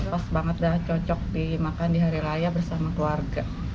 pas banget udah cocok dimakan di hari raya bersama keluarga